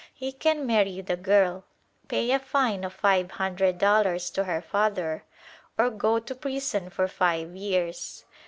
He can marry the girl; pay a fine of five hundred dollars to her father; or go to prison for five years.